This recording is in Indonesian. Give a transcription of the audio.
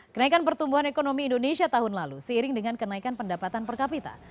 kenaikan pertumbuhan ekonomi indonesia tahun lalu seiring dengan kenaikan pendapatan per kapita